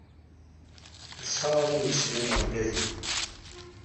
Yessawaḍ-am-d sslam wergaz-inu.